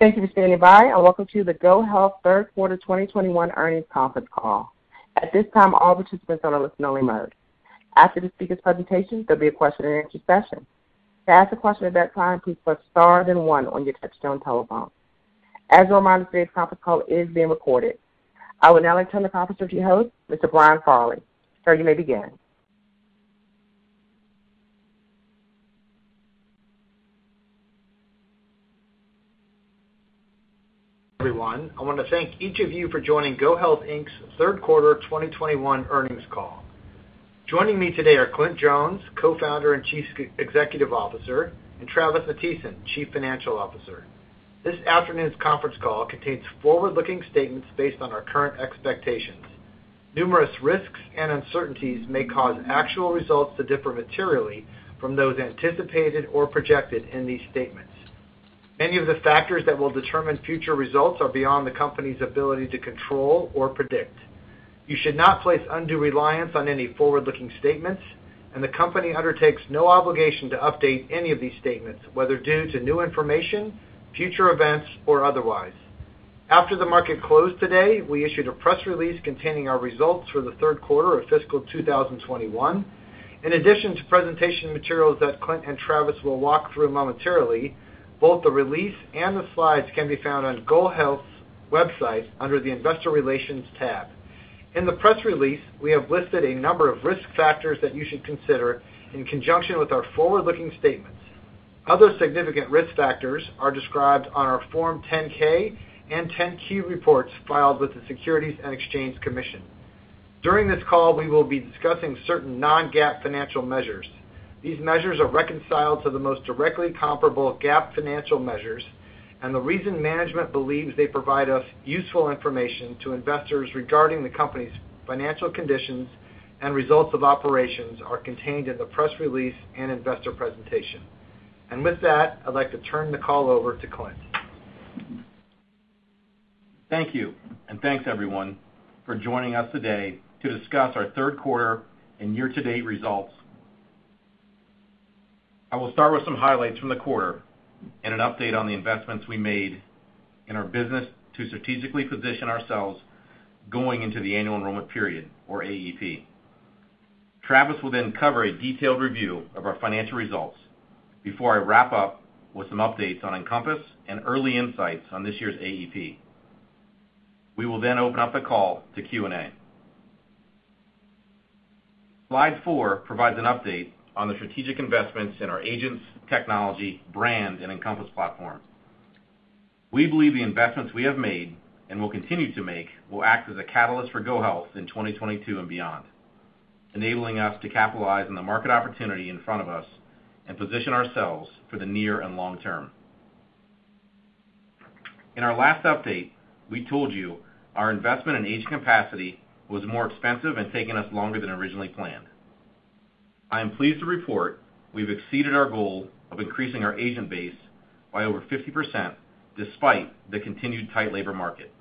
Thank you for standing by, and welcome to the GoHealth third quarter 2021 earnings conference call. At this time, all participants are in listening mode. After the speaker's presentation, there'll be a question and answer session. To ask a question at that time, please press star then one on your touchtone telephone. As a reminder, today's conference call is being recorded. I would now like to turn the conference over to your host, Mr. Brian Farley. Sir, you may begin. Everyone, I wanna thank each of you for joining GoHealth, Inc.'s third quarter 2021 earnings call. Joining me today are Clint Jones, Co-Founder and Chief Executive Officer, and Travis Matthiesen, Chief Financial Officer. This afternoon's conference call contains forward-looking statements based on our current expectations. Numerous risks and uncertainties may cause actual results to differ materially from those anticipated or projected in these statements. Many of the factors that will determine future results are beyond the company's ability to control or predict. You should not place undue reliance on any forward-looking statements, and the company undertakes no obligation to update any of these statements, whether due to new information, future events, or otherwise. After the market closed today, we issued a press release containing our results for the third quarter of fiscal 2021. In addition to presentation materials that Clint and Travis will walk through momentarily, both the release and the slides can be found on GoHealth's website under the Investor Relations tab. In the press release, we have listed a number of risk factors that you should consider in conjunction with our forward-looking statements. Other significant risk factors are described on our Form 10-K and 10-Q reports filed with the Securities and Exchange Commission. During this call, we will be discussing certain non-GAAP financial measures. These measures are reconciled to the most directly comparable GAAP financial measures, and the reason management believes they provide us useful information to investors regarding the company's financial conditions and results of operations are contained in the press release and investor presentation. With that, I'd like to turn the call over to Clint. Thank you, and thanks, everyone, for joining us today to discuss our third quarter and year-to-date results. I will start with some highlights from the quarter and an update on the investments we made in our business to strategically position ourselves going into the annual enrollment period or AEP. Travis will then cover a detailed review of our financial results before I wrap up with some updates on Encompass and early insights on this year's AEP. We will then open up the call to Q&A. Slide 4 provides an update on the strategic investments in our agents, technology, brand, and Encompass platform. We believe the investments we have made and will continue to make will act as a catalyst for GoHealth in 2022 and beyond, enabling us to capitalize on the market opportunity in front of us and position ourselves for the near and long term. In our last update, we told you our investment in agent capacity was more expensive and taking us longer than originally planned. I am pleased to report we've exceeded our goal of increasing our agent base by over 50% despite the continued tight labor market.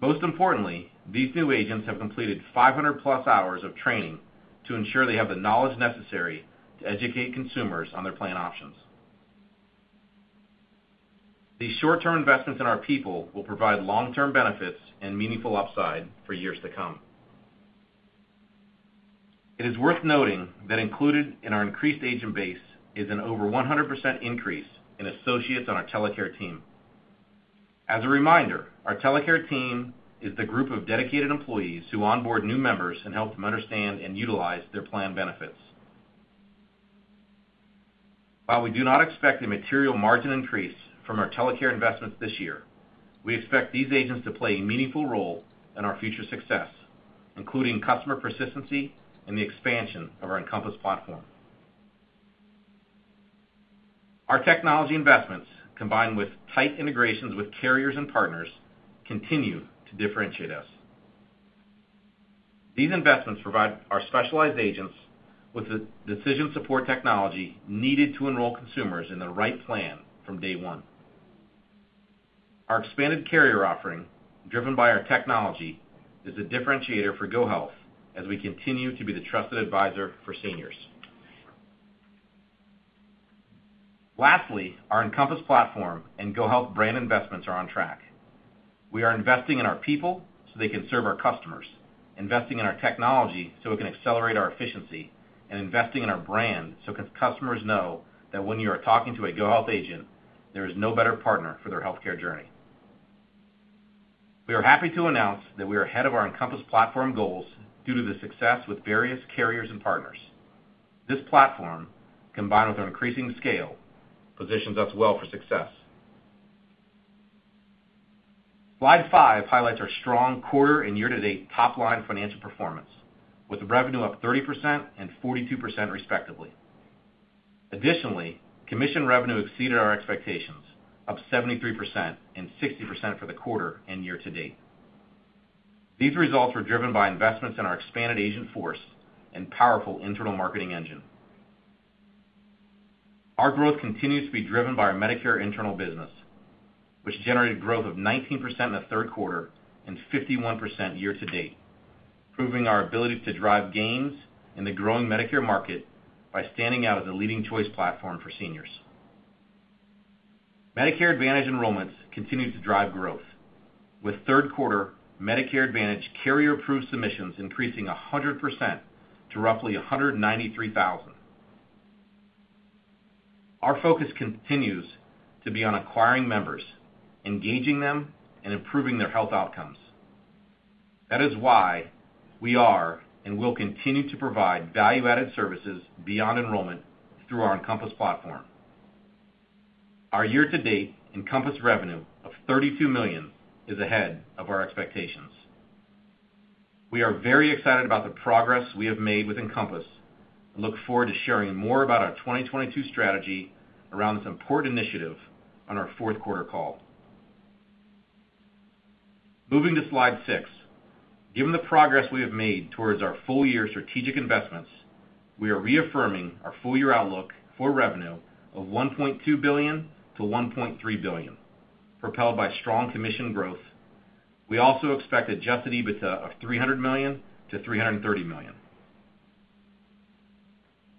Most importantly, these new agents have completed 500+ hours of training to ensure they have the knowledge necessary to educate consumers on their plan options. These short-term investments in our people will provide long-term benefits and meaningful upside for years to come. It is worth noting that included in our increased agent base is an over 100% increase in associates on our TeleCare team. As a reminder, our TeleCare team is the group of dedicated employees who onboard new members and help them understand and utilize their plan benefits. While we do not expect a material margin increase from our TeleCare investments this year, we expect these agents to play a meaningful role in our future success, including customer persistency and the expansion of our Encompass platform. Our technology investments, combined with tight integrations with carriers and partners, continue to differentiate us. These investments provide our specialized agents with the decision support technology needed to enroll consumers in the right plan from day one. Our expanded carrier offering, driven by our technology, is a differentiator for GoHealth as we continue to be the trusted advisor for seniors. Lastly, our Encompass platform and GoHealth brand investments are on track. We are investing in our people so they can serve our customers, investing in our technology so it can accelerate our efficiency, and investing in our brand so customers know that when you are talking to a GoHealth agent, there is no better partner for their healthcare journey. We are happy to announce that we are ahead of our Encompass platform goals due to the success with various carriers and partners. This platform, combined with our increasing scale, positions us well for success. Slide 5 highlights our strong quarter and year-to-date top-line financial performance, with the revenue up 30% and 42% respectively. Additionally, commission revenue exceeded our expectations, up 73% and 60% for the quarter and year-to-date. These results were driven by investments in our expanded agent force and powerful internal marketing engine. Our growth continues to be driven by our Medicare insurance business, which generated growth of 19% in the third quarter and 51% year-to-date, proving our ability to drive gains in the growing Medicare market by standing out as a leading choice platform for seniors. Medicare Advantage enrollments continue to drive growth, with third quarter Medicare Advantage carrier-approved submissions increasing 100% to roughly 193,000. Our focus continues to be on acquiring members, engaging them, and improving their health outcomes. That is why we are and will continue to provide value-added services beyond enrollment through our Encompass platform. Our year-to-date Encompass revenue of $32 million is ahead of our expectations. We are very excited about the progress we have made with Encompass and look forward to sharing more about our 2022 strategy around this important initiative on our fourth quarter call. Moving to slide 6. Given the progress we have made towards our full year strategic investments, we are reaffirming our full year outlook for revenue of $1.2 billion-$1.3 billion, propelled by strong commission growth. We also expect Adjusted EBITDA of $300 million-$330 million.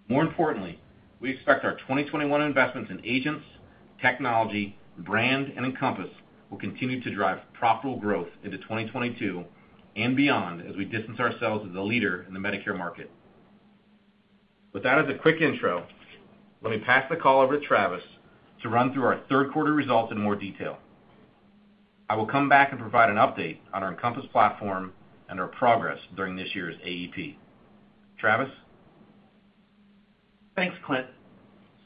More importantly, we expect our 2021 investments in agents, technology, brand, and Encompass will continue to drive profitable growth into 2022 and beyond as we distance ourselves as a leader in the Medicare market. With that as a quick intro, let me pass the call over to Travis to run through our third quarter results in more detail. I will come back and provide an update on our Encompass platform and our progress during this year's AEP. Travis? Thanks, Clint.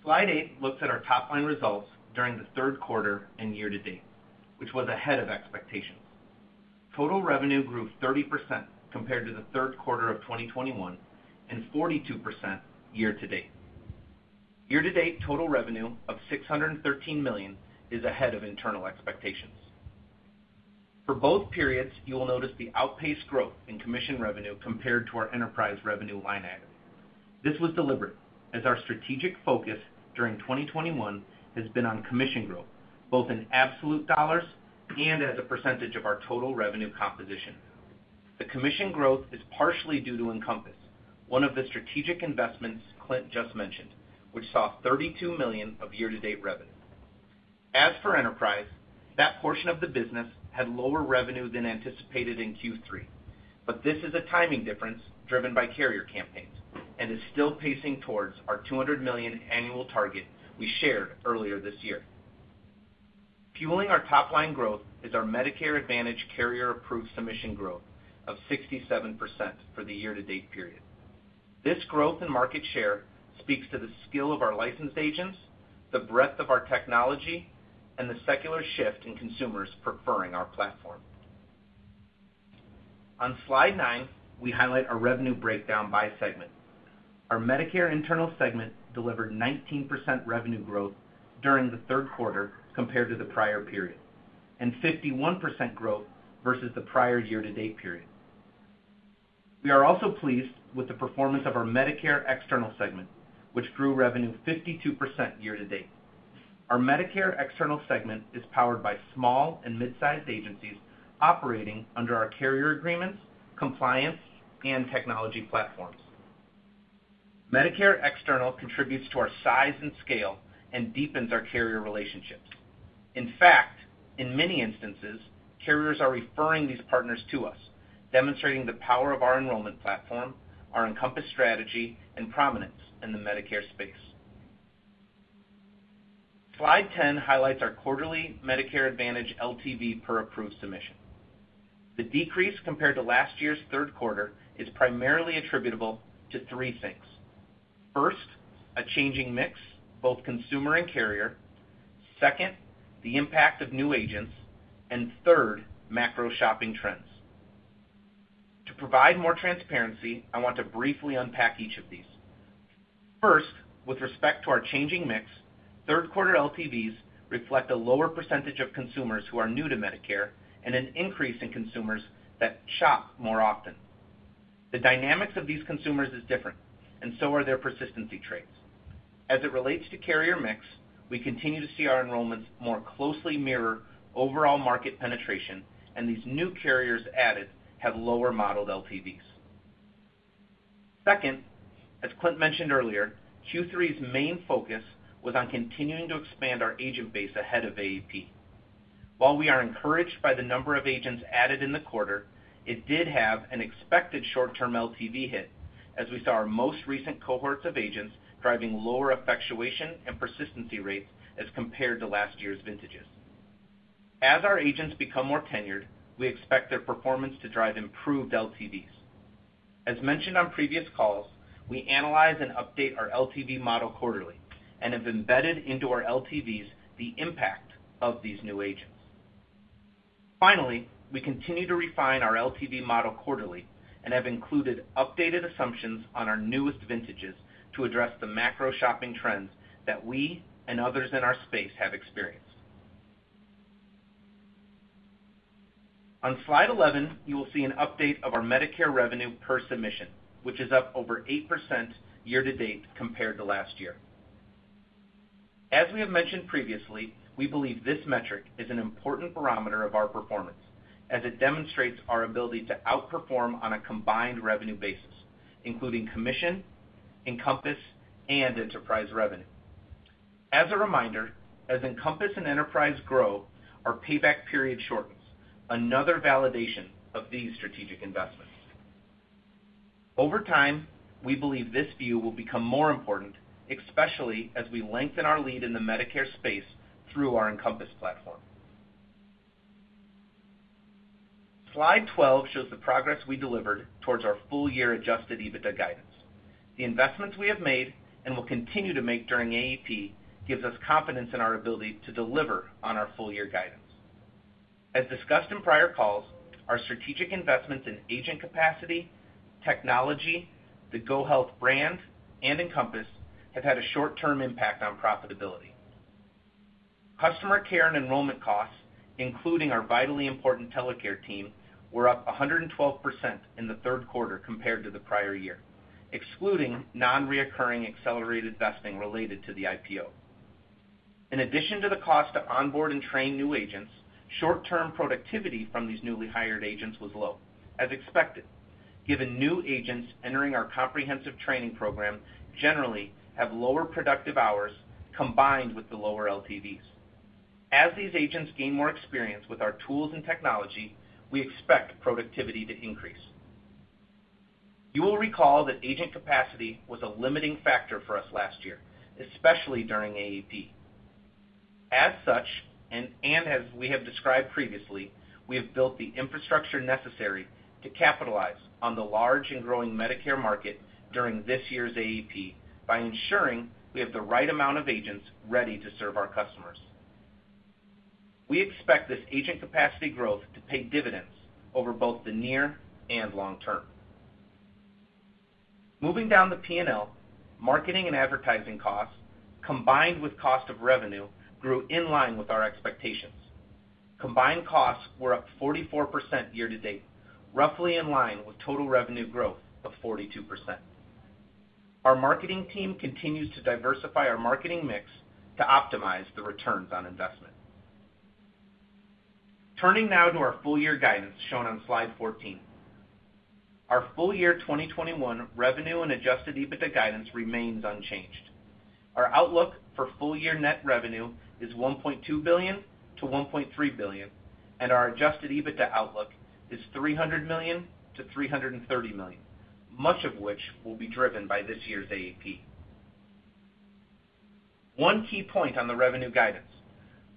Slide 8 looks at our top line results during the third quarter and year to date, which was ahead of expectations. Total revenue grew 30% compared to the third quarter of 2021, and 42% year to date. Year to date total revenue of $613 million is ahead of internal expectations. For both periods, you will notice the outpaced growth in commission revenue compared to our enterprise revenue line item. This was deliberate, as our strategic focus during 2021 has been on commission growth, both in absolute dollars and as a percentage of our total revenue composition. The commission growth is partially due to Encompass, one of the strategic investments Clint just mentioned, which saw $32 million of year-to-date revenue. As for enterprise, that portion of the business had lower revenue than anticipated in Q3, but this is a timing difference driven by carrier campaigns and is still pacing towards our $200 million annual target we shared earlier this year. Fueling our top line growth is our Medicare Advantage carrier-approved submission growth of 67% for the year-to-date period. This growth in market share speaks to the skill of our licensed agents, the breadth of our technology, and the secular shift in consumers preferring our platform. On slide 9, we highlight our revenue breakdown by segment. Our Medicare Internal segment delivered 19% revenue growth during the third quarter compared to the prior period, and 51% growth versus the prior year-to-date period. We are also pleased with the performance of our Medicare External segment, which grew revenue 52% year to date. Our Medicare External segment is powered by small and mid-sized agencies operating under our carrier agreements, compliance, and technology platforms. Medicare External contributes to our size and scale and deepens our carrier relationships. In fact, in many instances, carriers are referring these partners to us, demonstrating the power of our enrollment platform, our Encompass strategy, and prominence in the Medicare space. Slide 10 highlights our quarterly Medicare Advantage LTV per approved submission. The decrease compared to last year's third quarter is primarily attributable to three things. First, a changing mix, both consumer and carrier. Second, the impact of new agents, and third, macro shopping trends. To provide more transparency, I want to briefly unpack each of these. First, with respect to our changing mix, third quarter LTVs reflect a lower percentage of consumers who are new to Medicare and an increase in consumers that shop more often. The dynamics of these consumers is different, and so are their persistency traits. As it relates to carrier mix, we continue to see our enrollments more closely mirror overall market penetration, and these new carriers added have lower modeled LTVs. Second, as Clint mentioned earlier, Q3's main focus was on continuing to expand our agent base ahead of AEP. While we are encouraged by the number of agents added in the quarter, it did have an expected short-term LTV hit, as we saw our most recent cohorts of agents driving lower effectuation and persistency rates as compared to last year's vintages. As our agents become more tenured, we expect their performance to drive improved LTVs. As mentioned on previous calls, we analyze and update our LTV model quarterly and have embedded into our LTVs the impact of these new agents. Finally, we continue to refine our LTV model quarterly and have included updated assumptions on our newest vintages to address the macro shopping trends that we and others in our space have experienced. On slide 11, you will see an update of our Medicare revenue per submission, which is up over 8% year-to-date compared to last year. As we have mentioned previously, we believe this metric is an important barometer of our performance as it demonstrates our ability to outperform on a combined revenue basis, including commission, Encompass, and enterprise revenue. As a reminder, as Encompass and enterprise grow, our payback period shortens, another validation of these strategic investments. Over time, we believe this view will become more important, especially as we lengthen our lead in the Medicare space through our Encompass platform. Slide 12 shows the progress we delivered towards our full-year Adjusted EBITDA guidance. The investments we have made and will continue to make during AEP gives us confidence in our ability to deliver on our full year guidance. As discussed in prior calls, our strategic investments in agent capacity, technology, the GoHealth brand, and Encompass have had a short-term impact on profitability. Customer care and enrollment costs, including our vitally important TeleCare team, were up 112% in the third quarter compared to the prior year, excluding non-recurring accelerated vesting related to the IPO. In addition to the cost to onboard and train new agents, short-term productivity from these newly hired agents was low, as expected, given new agents entering our comprehensive training program generally have lower productive hours combined with the lower LTVs. As these agents gain more experience with our tools and technology, we expect productivity to increase. You will recall that agent capacity was a limiting factor for us last year, especially during AEP. As such, as we have described previously, we have built the infrastructure necessary to capitalize on the large and growing Medicare market during this year's AEP by ensuring we have the right amount of agents ready to serve our customers. We expect this agent capacity growth to pay dividends over both the near and long term. Moving down the P&L, marketing and advertising costs, combined with cost of revenue, grew in line with our expectations. Combined costs were up 44% year to date, roughly in line with total revenue growth of 42%. Our marketing team continues to diversify our marketing mix to optimize the returns on investment. Turning now to our full year guidance shown on slide 14. Our full year 2021 revenue and Adjusted EBITDA guidance remains unchanged. Our outlook for full year net revenue is $1.2 billion-$1.3 billion, and our adjusted EBITDA outlook is $300 million-$330 million, much of which will be driven by this year's AEP. One key point on the revenue guidance.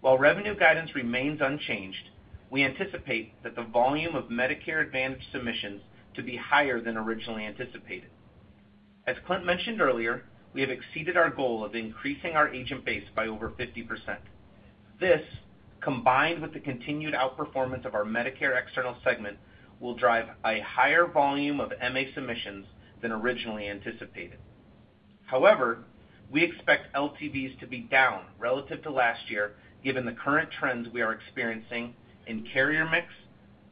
While revenue guidance remains unchanged, we anticipate that the volume of Medicare Advantage submissions to be higher than originally anticipated. As Clint mentioned earlier, we have exceeded our goal of increasing our agent base by over 50%. This, combined with the continued outperformance of our Medicare External segment, will drive a higher volume of MA submissions than originally anticipated. However, we expect LTVs to be down relative to last year, given the current trends we are experiencing in carrier mix,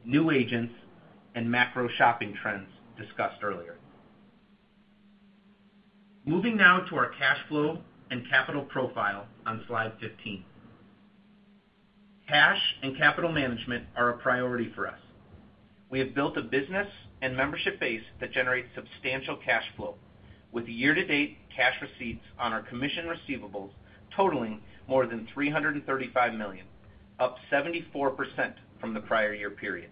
new agents, and macro shopping trends discussed earlier. Moving now to our cash flow and capital profile on slide 15. Cash and capital management are a priority for us. We have built a business and membership base that generates substantial cash flow, with year-to-date cash receipts on our commission receivables totaling more than $335 million, up 74% from the prior year period.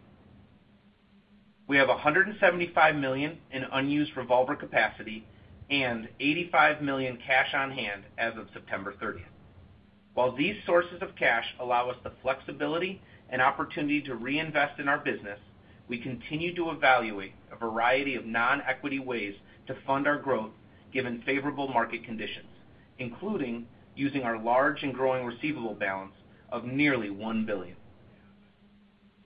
We have $175 million in unused revolver capacity and $85 million cash on hand as of September 30. While these sources of cash allow us the flexibility and opportunity to reinvest in our business, we continue to evaluate a variety of non-equity ways to fund our growth given favorable market conditions, including using our large and growing receivable balance of nearly $1 billion.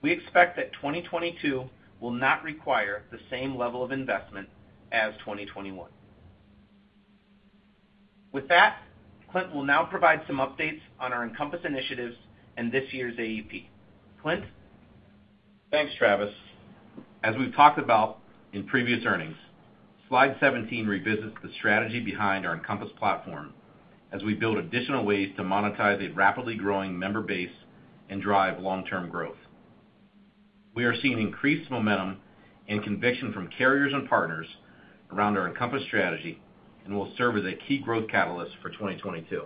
We expect that 2022 will not require the same level of investment as 2021. With that, Clint will now provide some updates on our Encompass initiatives and this year's AEP. Clint? Thanks, Travis. As we've talked about in previous earnings, slide 17 revisits the strategy behind our Encompass platform as we build additional ways to monetize a rapidly growing member base and drive long-term growth. We are seeing increased momentum and conviction from carriers and partners around our Encompass strategy and will serve as a key growth catalyst for 2022.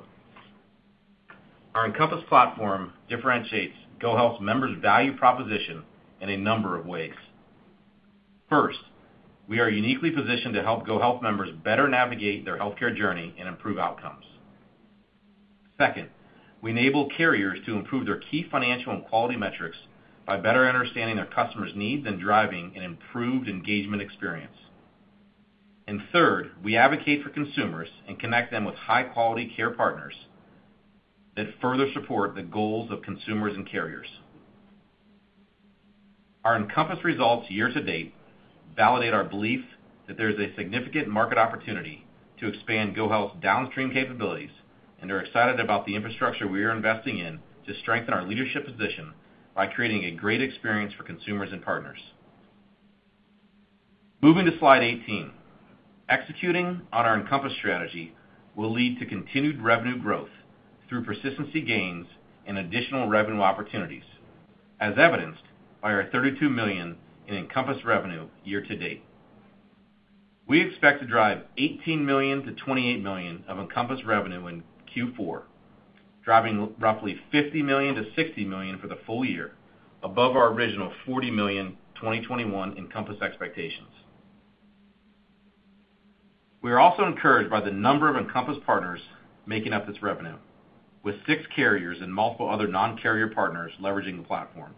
Our Encompass platform differentiates GoHealth members' value proposition in a number of ways. First, we are uniquely positioned to help GoHealth members better navigate their healthcare journey and improve outcomes. Second, we enable carriers to improve their key financial and quality metrics by better understanding their customers' needs and driving an improved engagement experience. Third, we advocate for consumers and connect them with high-quality care partners that further support the goals of consumers and carriers. Our Encompass results year to date validate our belief that there is a significant market opportunity to expand GoHealth's downstream capabilities, and we are excited about the infrastructure we are investing in to strengthen our leadership position by creating a great experience for consumers and partners. Moving to Slide 18. Executing on our Encompass strategy will lead to continued revenue growth through persistency gains and additional revenue opportunities, as evidenced by our $32 million in Encompass revenue year to date. We expect to drive $18 million-$28 million of Encompass revenue in Q4, driving roughly $50 million-$60 million for the full year, above our original $40 million 2021 Encompass expectations. We are also encouraged by the number of Encompass partners making up this revenue, with six carriers and multiple other non-carrier partners leveraging the platform.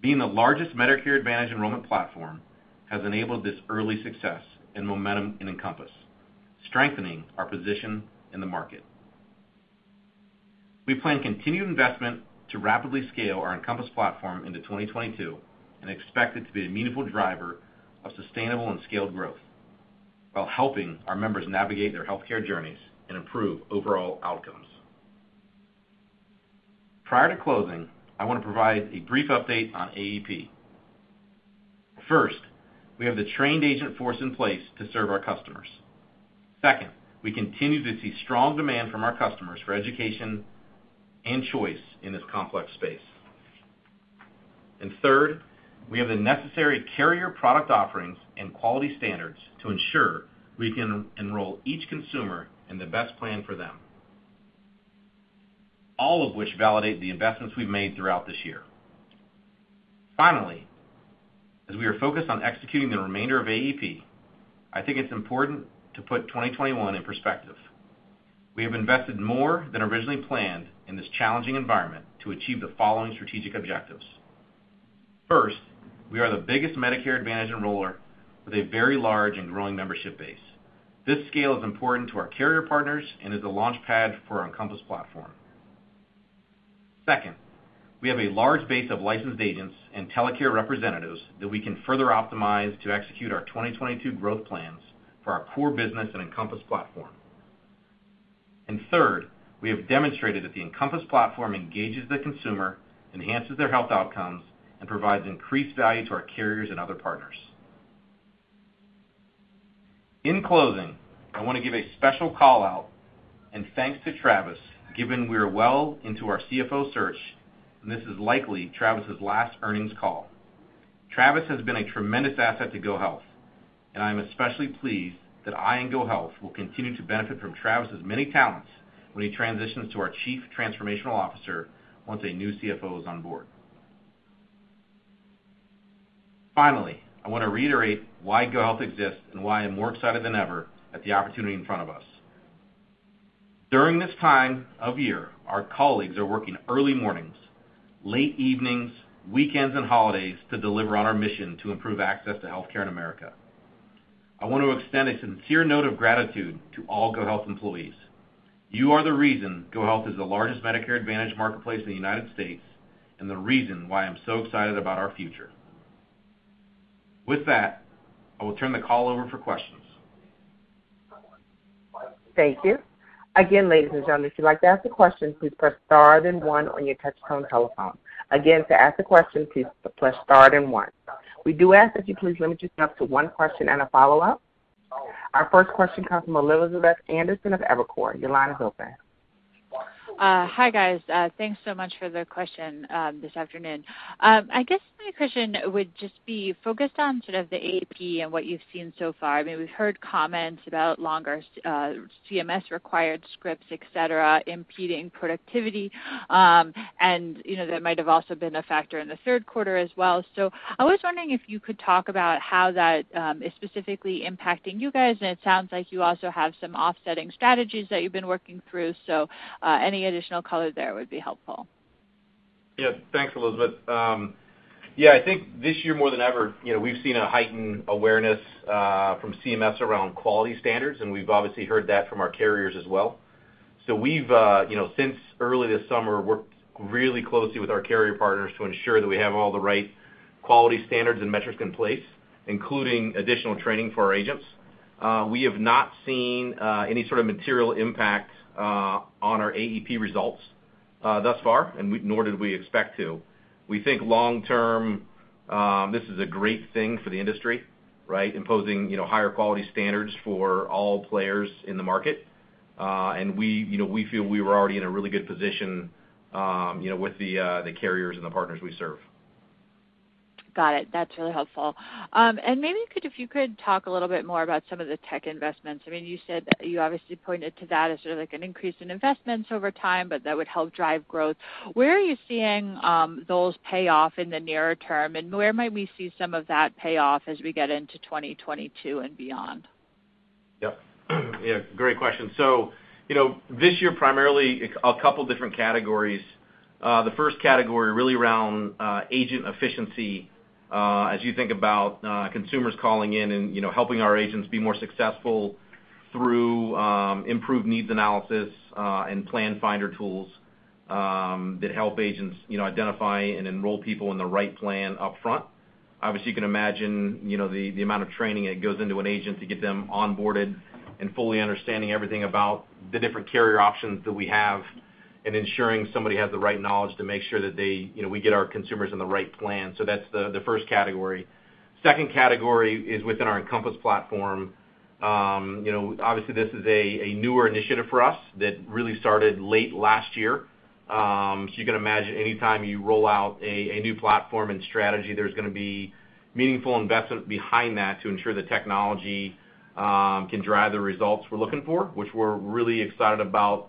Being the largest Medicare Advantage enrollment platform has enabled this early success and momentum in Encompass, strengthening our position in the market. We plan continued investment to rapidly scale our Encompass platform into 2022 and expect it to be a meaningful driver of sustainable and scaled growth while helping our members navigate their healthcare journeys and improve overall outcomes. Prior to closing, I wanna provide a brief update on AEP. First, we have the trained agent force in place to serve our customers. Second, we continue to see strong demand from our customers for education and choice in this complex space. Third, we have the necessary carrier product offerings and quality standards to ensure we can enroll each consumer in the best plan for them, all of which validate the investments we've made throughout this year. Finally, as we are focused on executing the remainder of AEP, I think it's important to put 2021 in perspective. We have invested more than originally planned in this challenging environment to achieve the following strategic objectives. First, we are the biggest Medicare Advantage enroller with a very large and growing membership base. This scale is important to our carrier partners and is a launchpad for our Encompass platform. Second, we have a large base of licensed agents and TeleCare representatives that we can further optimize to execute our 2022 growth plans for our core business and Encompass platform. Third, we have demonstrated that the Encompass platform engages the consumer, enhances their health outcomes, and provides increased value to our carriers and other partners. In closing, I wanna give a special call-out and thanks to Travis, given we are well into our CFO search, and this is likely Travis's last earnings call. Travis has been a tremendous asset to GoHealth, and I am especially pleased that I and GoHealth will continue to benefit from Travis's many talents when he transitions to our Chief Transformation Officer once a new CFO is on board. Finally, I wanna reiterate why GoHealth exists and why I'm more excited than ever at the opportunity in front of us. During this time of year, our colleagues are working early mornings, late evenings, weekends, and holidays to deliver on our mission to improve access to healthcare in America. I want to extend a sincere note of gratitude to all GoHealth employees. You are the reason GoHealth is the largest Medicare Advantage marketplace in the United States and the reason why I'm so excited about our future. With that, I will turn the call over for questions. Thank you. Again, ladies and gentlemen, if you'd like to ask a question, please press star then one on your touchtone telephone. Again, to ask a question, please press star then one. We do ask that you please limit yourself to one question and a follow-up. Our first question comes from Elizabeth Anderson of Evercore. Your line is open. Hi, guys. Thanks so much for the question this afternoon. I guess my question would just be focused on sort of the AEP and what you've seen so far. I mean, we've heard comments about longer CMS required scripts, et cetera, impeding productivity, and you know, that might have also been a factor in the third quarter as well. I was wondering if you could talk about how that is specifically impacting you guys. It sounds like you also have some offsetting strategies that you've been working through. Any additional color there would be helpful. Yeah. Thanks, Elizabeth. I think this year, more than ever, you know, we've seen a heightened awareness from CMS around quality standards, and we've obviously heard that from our carriers as well. We've you know since early this summer worked really closely with our carrier partners to ensure that we have all the right quality standards and metrics in place, including additional training for our agents. We have not seen any sort of material impact on our AEP results thus far, nor did we expect to. We think long term this is a great thing for the industry, right. Imposing you know higher quality standards for all players in the market. We, you know, we feel we were already in a really good position, you know, with the carriers and the partners we serve. Got it. That's really helpful. Maybe if you could talk a little bit more about some of the tech investments. I mean, you said you obviously pointed to that as sort of like an increase in investments over time, but that would help drive growth. Where are you seeing those pay off in the nearer term, and where might we see some of that pay off as we get into 2022 and beyond? Yep. Yeah, great question. You know, this year, primarily a couple different categories. The first category really around agent efficiency, as you think about consumers calling in and, you know, helping our agents be more successful through improved needs analysis and plan finder tools that help agents, you know, identify and enroll people in the right plan up front. Obviously, you can imagine, you know, the amount of training that goes into an agent to get them onboarded and fully understanding everything about the different carrier options that we have and ensuring somebody has the right knowledge to make sure that they, you know, we get our consumers in the right plan. That's the first category. Second category is within our Encompass platform. You know, obviously this is a newer initiative for us that really started late last year. You can imagine any time you roll out a new platform and strategy, there's gonna be meaningful investment behind that to ensure the technology can drive the results we're looking for, which we're really excited about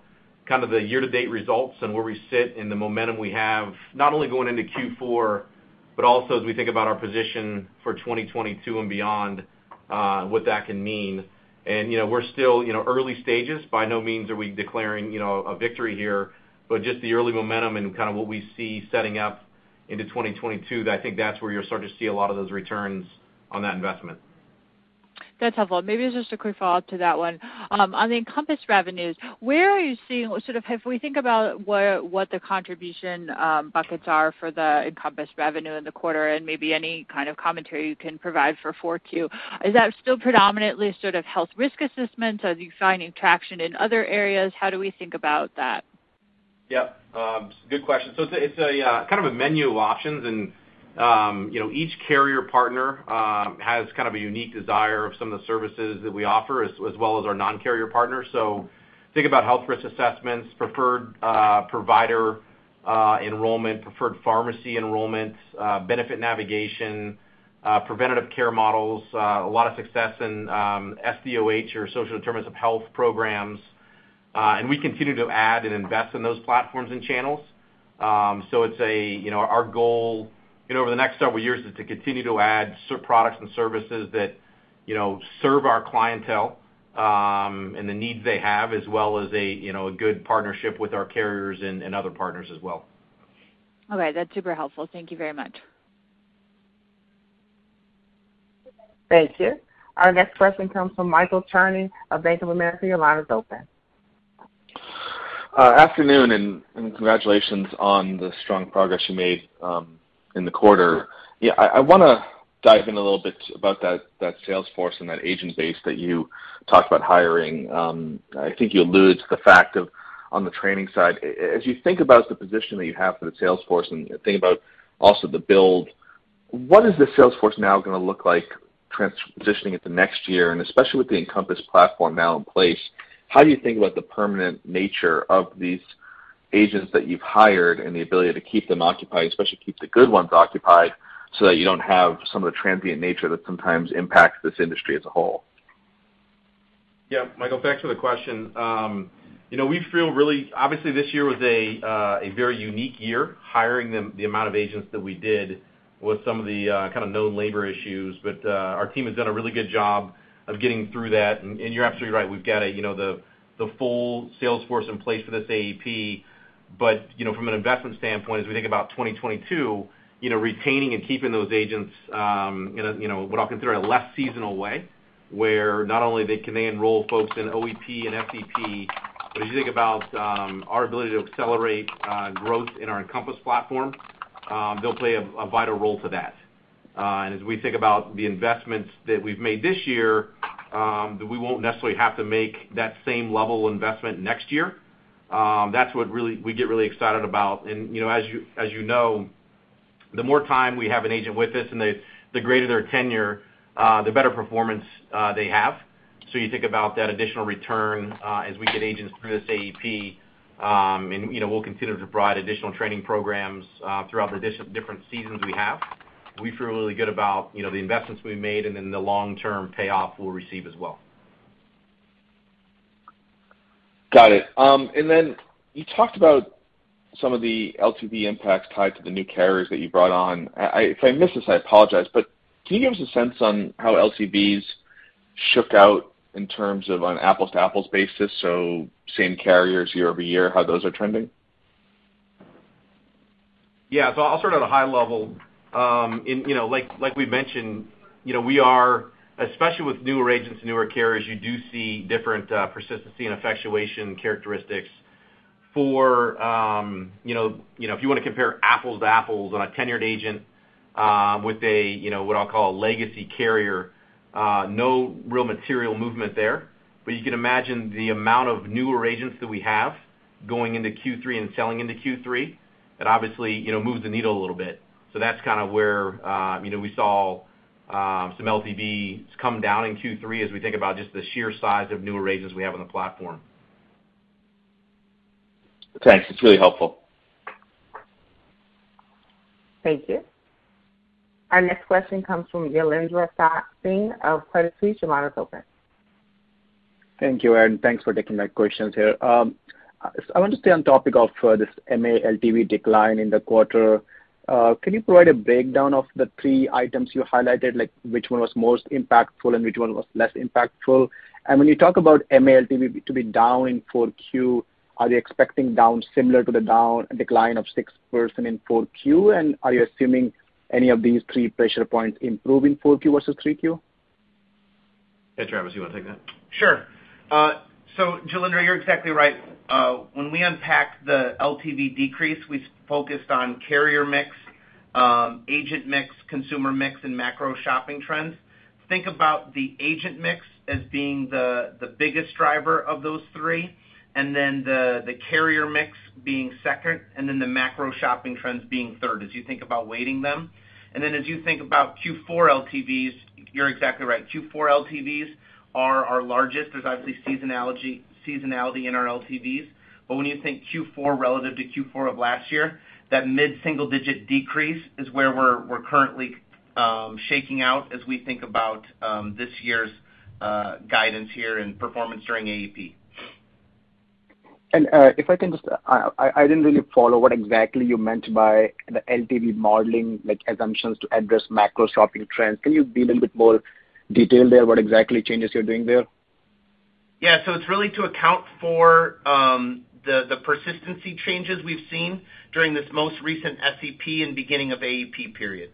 kind of the year-to-date results and where we sit and the momentum we have, not only going into Q4, but also as we think about our position for 2022 and beyond, what that can mean. You know, we're still, you know, early stages. By no means are we declaring, you know, a victory here, but just the early momentum and kind of what we see setting up into 2022, I think that's where you'll start to see a lot of those returns on that investment. That's helpful. Maybe just a quick follow-up to that one. On the Encompass revenues, where are you seeing sort of if we think about what the contribution buckets are for the Encompass revenue in the quarter and maybe any kind of commentary you can provide for 4Q, is that still predominantly sort of health risk assessments? Are you finding traction in other areas? How do we think about that? Yep. Good question. It's a kind of a menu of options and, you know, each carrier partner has kind of a unique desire of some of the services that we offer as well as our non-carrier partners. Think about health risk assessments, preferred provider enrollment, preferred pharmacy enrollments, benefit navigation, preventive care models, a lot of success in SDOH or social determinants of health programs. We continue to add and invest in those platforms and channels. It's a, you know, our goal, you know, over the next several years is to continue to add products and services that, you know, serve our clientele, and the needs they have, as well as a, you know, a good partnership with our carriers and other partners as well. Okay, that's super helpful. Thank you very much. Thank you. Our next question comes from Michael Cherny of Bank of America. Your line is open. Afternoon, congratulations on the strong progress you made in the quarter. I wanna dive in a little bit about that sales force and that agent base that you talked about hiring. I think you alluded to the fact on the training side. As you think about the position that you have for the sales force and think about also the build, what is the sales force now gonna look like transitioning it the next year? Especially with the Encompass platform now in place, how do you think about the permanent nature of these agents that you've hired and the ability to keep them occupied, especially keep the good ones occupied, so that you don't have some of the transient nature that sometimes impacts this industry as a whole? Yeah. Michael, thanks for the question. You know, we feel really obviously this year was a very unique year, hiring the amount of agents that we did with some of the kind of known labor issues. Our team has done a really good job of getting through that. You're absolutely right. We've got the full sales force in place for this AEP, but you know, from an investment standpoint, as we think about 2022, you know, retaining and keeping those agents in a what I'll consider a less seasonal way, where not only can they enroll folks in OEP and FEP, but as you think about our ability to accelerate growth in our Encompass platform, they'll play a vital role to that. As we think about the investments that we've made this year, that we won't necessarily have to make that same level of investment next year, that's what really we get really excited about. You know, as you know, the more time we have an agent with us and the greater their tenure, the better performance they have. You think about that additional return as we get agents through this AEP, and you know, we'll continue to provide additional training programs throughout the different seasons we have. We feel really good about you know, the investments we've made and then the long-term payoff we'll receive as well. Got it. You talked about some of the LTV impacts tied to the new carriers that you brought on. If I missed this, I apologize, but can you give us a sense on how LTVs shook out in terms of on an apples to apples basis, so same carriers year-over-year, how those are trending? Yeah. I'll start at a high level. You know, like we've mentioned, you know, we are especially with newer agents and newer carriers, you do see different persistency and effectuation characteristics. For you know, if you wanna compare apples to apples on a tenured agent with a you know, what I'll call a legacy carrier, no real material movement there. You can imagine the amount of newer agents that we have going into Q3 and selling into Q3, that obviously, you know, moves the needle a little bit. That's kind of where you know, we saw some LTVs come down in Q3 as we think about just the sheer size of newer agents we have on the platform. Thanks. It's really helpful. Thank you. Our next question comes from Jailendra Singh of Credit Suisse. Your line is open. Thank you, Aaron. Thanks for taking my questions here. I want to stay on topic of this MA LTV decline in the quarter. Can you provide a breakdown of the three items you highlighted, like which one was most impactful and which one was less impactful? When you talk about MA LTV to be down in 4Q, are you expecting down similar to the decline of 6% in 4Q? Are you assuming any of these three pressure points improve in 4Q versus 3Q? Hey, Travis, you wanna take that? Sure. Jailendra, you're exactly right. When we unpacked the LTV decrease, we focused on carrier mix Agent mix, consumer mix, and macro shopping trends. Think about the agent mix as being the biggest driver of those three, and then the carrier mix being second, and then the macro shopping trends being third as you think about weighting them. As you think about Q4 LTVs, you're exactly right. Q4 LTVs are our largest. There's obviously seasonality in our LTVs. When you think Q4 relative to Q4 of last year, that mid-single-digit decrease is where we're currently shaking out as we think about this year's guidance here and performance during AEP. I didn't really follow what exactly you meant by the LTV modeling, like assumptions to address macro shopping trends. Can you be a little bit more detailed there what exactly changes you're doing there? Yeah. It's really to account for the persistency changes we've seen during this most recent SEP and beginning of AEP period.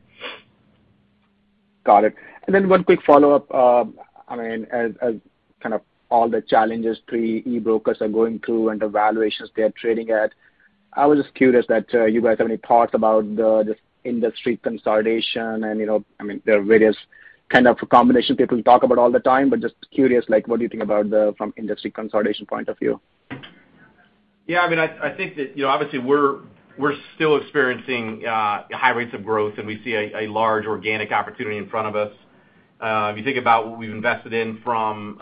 Got it. One quick follow-up. I mean, as kind of all the challenges e-brokers are going through and the valuations they're trading at, I was just curious that you guys have any thoughts about this industry consolidation and, you know, I mean, there are various kind of combination people talk about all the time, but just curious, like what do you think from the industry consolidation point of view? Yeah, I mean, I think that, you know, obviously we're still experiencing high rates of growth, and we see a large organic opportunity in front of us. If you think about what we've invested in from and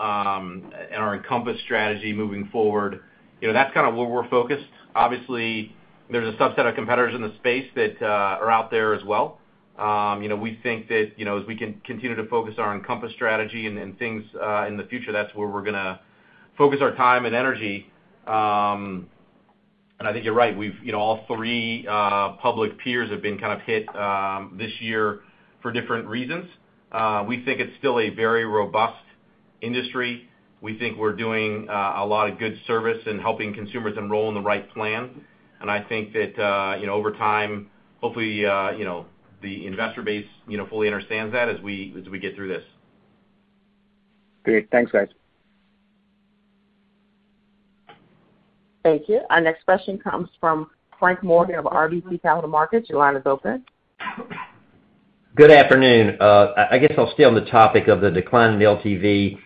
our Encompass strategy moving forward, you know, that's kind of where we're focused. Obviously, there's a subset of competitors in the space that are out there as well. You know, we think that, you know, as we can continue to focus our Encompass strategy and things in the future, that's where we're gonna focus our time and energy. I think you're right. We've, you know, all three public peers have been kind of hit this year for different reasons. We think it's still a very robust industry. We think we're doing a lot of good service in helping consumers enroll in the right plan. I think that you know, over time, hopefully you know, the investor base, you know, fully understands that as we get through this. Great. Thanks, guys. Thank you. Our next question comes from Frank Morgan of RBC Capital Markets. Your line is open. Good afternoon. I guess I'll stay on the topic of the decline in LTV,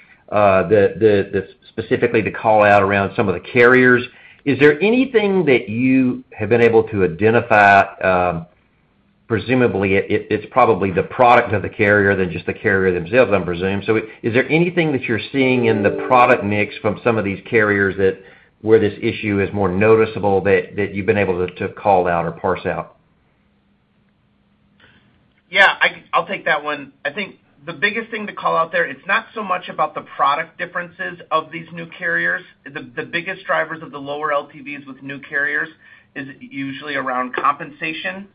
specifically the call out around some of the carriers. Is there anything that you have been able to identify, presumably it's probably the product of the carrier rather than just the carrier themselves, I'm presuming. Is there anything that you're seeing in the product mix from some of these carriers where this issue is more noticeable that you've been able to call out or parse out? Yeah, I'll take that one. I think the biggest thing to call out there, it's not so much about the product differences of these new carriers. The biggest drivers of the lower LTVs with new carriers is usually around compensation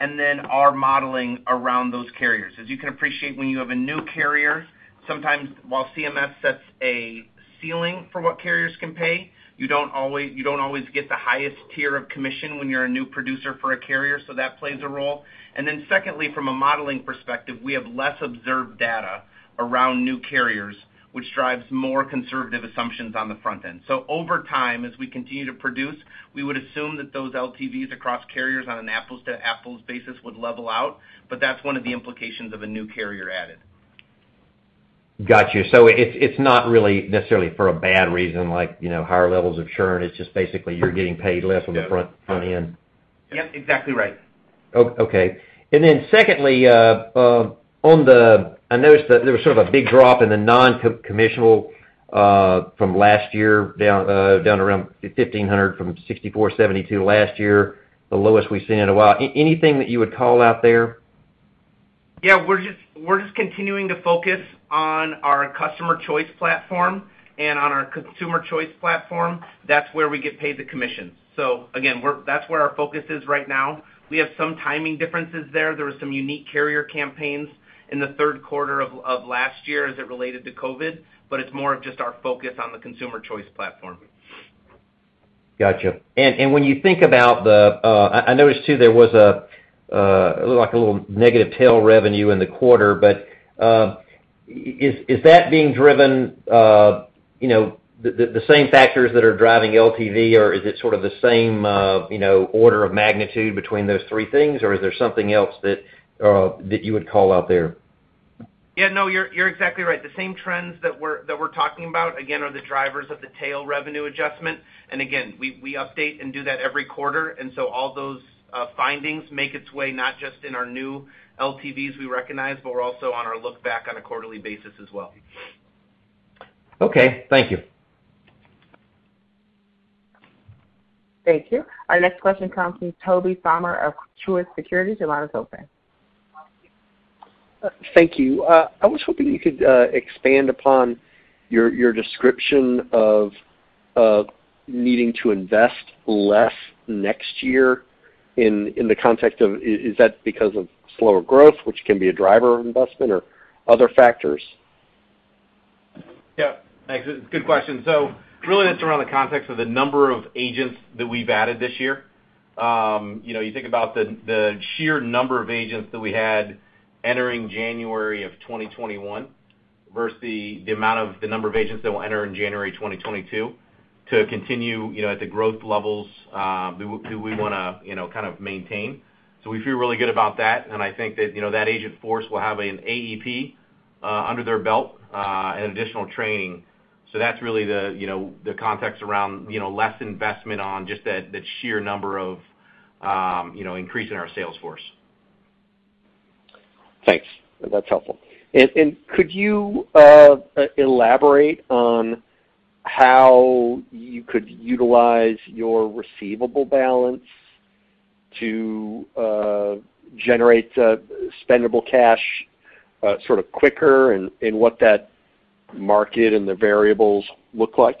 and then our modeling around those carriers. As you can appreciate, when you have a new carrier, sometimes while CMS sets a ceiling for what carriers can pay, you don't always get the highest tier of commission when you're a new producer for a carrier, so that plays a role. Secondly, from a modeling perspective, we have less observed data around new carriers, which drives more conservative assumptions on the front end. Over time, as we continue to produce, we would assume that those LTVs across carriers on an apples to apples basis would level out, but that's one of the implications of a new carrier added. Got you. It's not really necessarily for a bad reason, like, you know, higher levels of churn. It's just basically you're getting paid less on the front end. Yep, exactly right. Okay. Secondly, I noticed that there was sort of a big drop in the noncommissionable from last year, down around 1,500 from 6,472 last year, the lowest we've seen in a while. Anything that you would call out there? Yeah. We're just continuing to focus on our customer choice platform. On our consumer choice platform, that's where we get paid the commissions. Again, that's where our focus is right now. We have some timing differences there. There were some unique carrier campaigns in the third quarter of last year as it related to COVID, but it's more of just our focus on the consumer choice platform. Gotcha. When you think about the, I noticed too it looked like a little negative tail revenue in the quarter, but is that being driven, you know, the same factors that are driving LTV, or is it sort of the same, you know, order of magnitude between those three things, or is there something else that you would call out there? Yeah, no, you're exactly right. The same trends that we're talking about, again, are the drivers of the tail revenue adjustment. Again, we update and do that every quarter, and so all those findings make their way, not just in our new LTVs we recognize, but we're also on our look back on a quarterly basis as well. Okay, thank you. Thank you. Our next question comes from Tobey Sommer of Truist Securities. Your line is open. Thank you. I was hoping you could expand upon your description of needing to invest less next year in the context of, is that because of slower growth, which can be a driver of investment or other factors? Yeah. Thanks. Good question. Really that's around the context of the number of agents that we've added this year. You know, you think about the sheer number of agents that we had entering January of 2021 Versus the amount of the number of agents that will enter in January 2022 to continue, you know, at the growth levels we wanna, you know, kind of maintain. We feel really good about that. I think that, you know, that agent force will have an AEP under their belt and additional training. That's really the context around, you know, less investment on just the sheer number of increasing our sales force. Thanks. That's helpful. Could you elaborate on how you could utilize your receivable balance to generate spendable cash sort of quicker and what that market and the variables look like?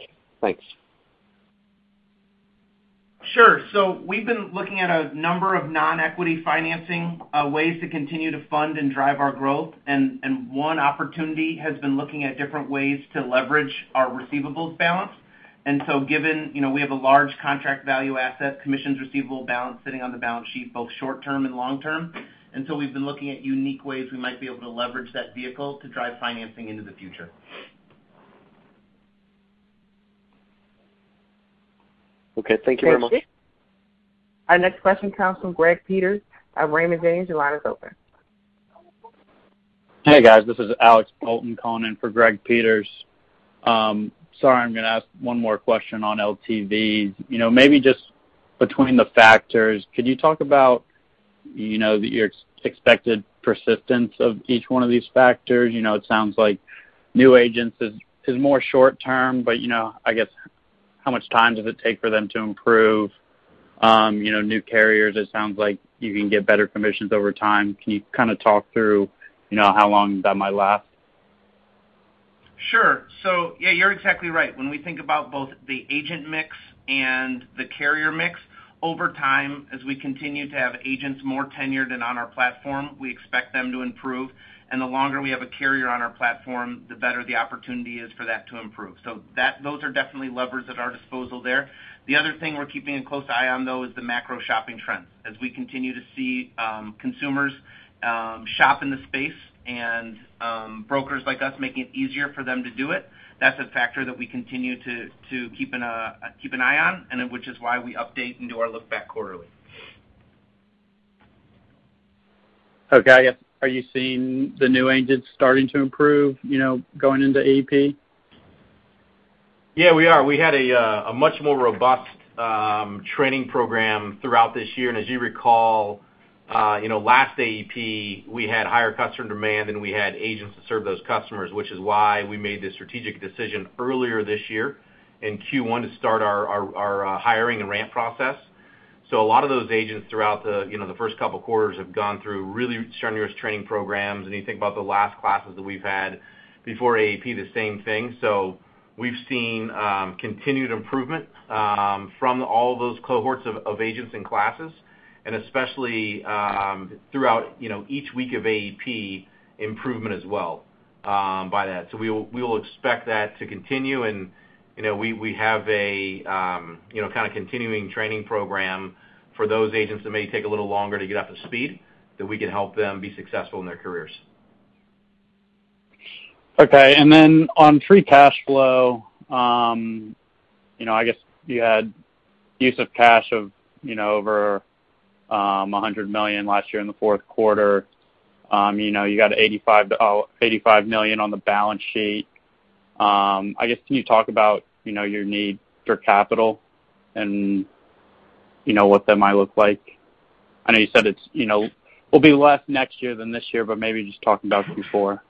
Thanks. Sure. We've been looking at a number of non-equity financing ways to continue to fund and drive our growth, and one opportunity has been looking at different ways to leverage our receivables balance. Given, you know, we have a large contract value asset commissions receivable balance sitting on the balance sheet, both short-term and long-term, we've been looking at unique ways we might be able to leverage that vehicle to drive financing into the future. Okay, thank you very much. Our next question comes from Greg Peters of Raymond James. Your line is open. Hey, guys. This is Alex Bolton calling in for Greg Peters. Sorry, I'm gonna ask one more question on LTVs. You know, maybe just between the factors, could you talk about, you know, the expected persistence of each one of these factors? You know, it sounds like new agents is more short term, but, you know, I guess how much time does it take for them to improve? You know, new carriers, it sounds like you can get better commissions over time. Can you kinda talk through, you know, how long that might last? Sure. Yeah, you're exactly right. When we think about both the agent mix and the carrier mix, over time, as we continue to have agents more tenured and on our platform, we expect them to improve. The longer we have a carrier on our platform, the better the opportunity is for that to improve. Those are definitely levers at our disposal there. The other thing we're keeping a close eye on, though, is the macro shopping trends. As we continue to see, consumers shop in the space and brokers like us making it easier for them to do it, that's a factor that we continue to keep an eye on, which is why we update and do our look back quarterly. Okay. Are you seeing the new agents starting to improve, you know, going into AEP? Yeah, we are. We had a much more robust training program throughout this year. As you recall, you know, last AEP, we had higher customer demand than we had agents to serve those customers, which is why we made the strategic decision earlier this year in Q1 to start our hiring and ramp process. A lot of those agents throughout, you know, the first couple quarters have gone through really strenuous training programs. You think about the last classes that we've had before AEP, the same thing. We've seen continued improvement from all those cohorts of agents and classes, and especially throughout, you know, each week of AEP, improvement as well by that. We will expect that to continue. You know, we have a you know, kind of continuing training program for those agents that may take a little longer to get up to speed, that we can help them be successful in their careers. Okay. Then on free cash flow, you know, I guess you had use of cash of over $100 million last year in the fourth quarter. You know, you got $85 million on the balance sheet. I guess, can you talk about your need for capital and what that might look like? I know you said it's will be less next year than this year, but maybe just talking about before.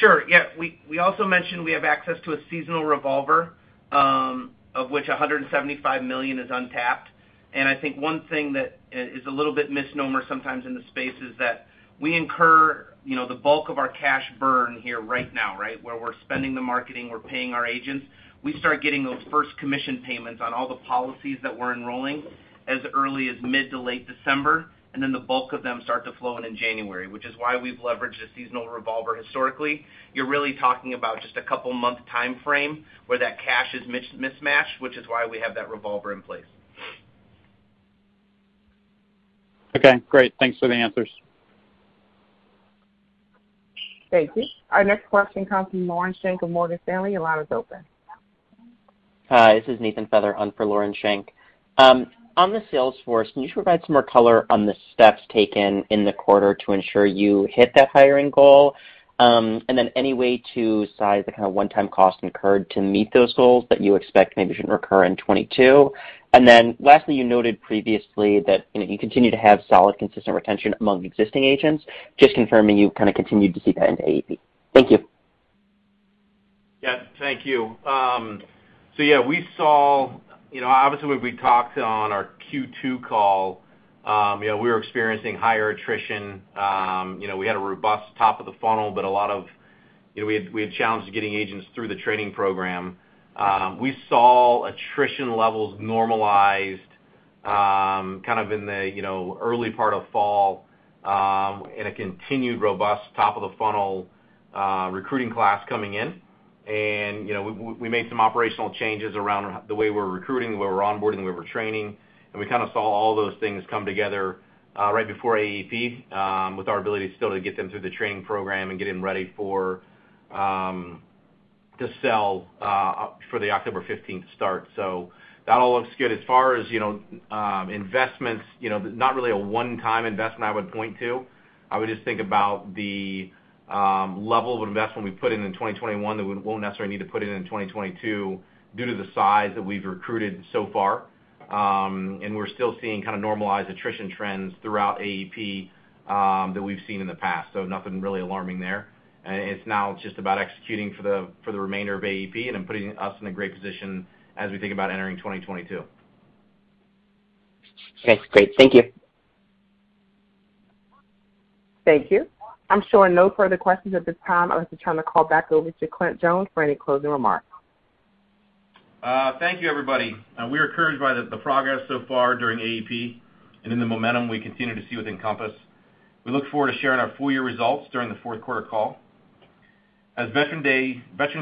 Sure. Yeah. We also mentioned we have access to a seasonal revolver, of which $175 million is untapped. I think one thing that is a little bit misnomer sometimes in the space is that we incur, you know, the bulk of our cash burn here right now, right? Where we're spending the marketing, we're paying our agents. We start getting those first commission payments on all the policies that we're enrolling as early as mid to late December, and then the bulk of them start to flow in in January, which is why we've leveraged a seasonal revolver historically. You're really talking about just a couple month timeframe where that cash is mismatched, which is why we have that revolver in place. Okay, great. Thanks for the answers. Thank you. Our next question comes from Lauren Schenk of Morgan Stanley. Your line is open. Hi, this is Nathan Feather on for Lauren Schenk. On the sales force, can you provide some more color on the steps taken in the quarter to ensure you hit that hiring goal? Any way to size the kind of one-time cost incurred to meet those goals that you expect maybe shouldn't recur in 2022. Lastly, you noted previously that, you know, you continue to have solid, consistent retention among existing agents. Just confirming you've kind of continued to see that into AEP. Thank you. Yeah. Thank you. Yeah, we saw. You know, obviously, when we talked on our Q2 call, you know, we were experiencing higher attrition. You know, we had a robust top of the funnel, but a lot of, you know, we had challenges getting agents through the training program. We saw attrition levels normalized, kind of in the early part of fall, and a continued robust top of the funnel, recruiting class coming in. You know, we made some operational changes around the way we're recruiting, the way we're onboarding, the way we're training, and we kind of saw all those things come together, right before AEP, with our ability still to get them through the training program and get them ready to sell for the October fifteenth start. That all looks good. As far as, you know, investments, you know, not really a one-time investment I would point to. I would just think about the level of investment we put in in 2021 that we won't necessarily need to put in in 2022 due to the size that we've recruited so far. We're still seeing kind of normalized attrition trends throughout AEP that we've seen in the past, so nothing really alarming there. It's now just about executing for the remainder of AEP and then putting us in a great position as we think about entering 2022. Okay, great. Thank you. Thank you. I'm showing no further questions at this time. I'll just turn the call back over to Clint Jones for any closing remarks. Thank you, everybody. We are encouraged by the progress so far during AEP and in the momentum we continue to see within Encompass. We look forward to sharing our full year results during the fourth quarter call. As Veterans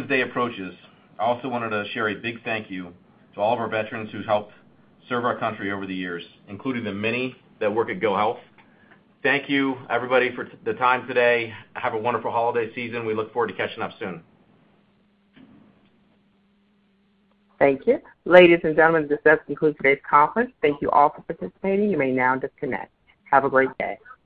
Day approaches, I also wanted to share a big thank you to all of our veterans who's helped serve our country over the years, including the many that work at GoHealth. Thank you everybody for the time today. Have a wonderful holiday season. We look forward to catching up soon. Thank you. Ladies and gentlemen, this does conclude today's conference. Thank you all for participating. You may now disconnect. Have a great day.